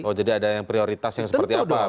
oh jadi ada yang prioritas yang seperti apa